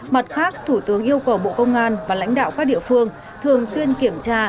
mặt khác thủ tướng yêu cầu bộ công an và lãnh đạo các địa phương thường xuyên kiểm tra